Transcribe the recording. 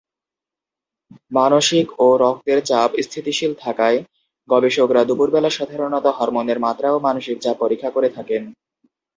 মানসিক ও রক্তের চাপ স্থিতিশীল থাকায় গবেষকরা দুপুর বেলা সাধারণত হরমোনের মাত্রা ও মানসিক চাপ পরীক্ষা করে থাকেন।